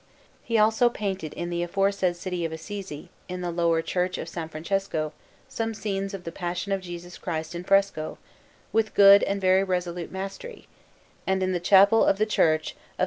He also painted in the aforesaid city of Assisi, in the lower Church of S. Francesco, some scenes of the Passion of Jesus Christ in fresco, with good and very resolute mastery, and in the chapel of the Church of S.